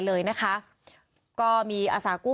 มีคนเสียชีวิตคุณ